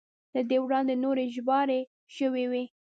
له دې وړاندې نورې ژباړې شوې وې.